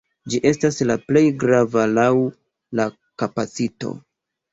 Ĝi estas la plej grava laŭ la kapacito.